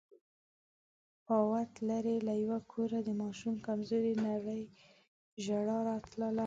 پاو ووت، ليرې له يوه کوره د ماشوم کمزورې نرۍ ژړا راتله.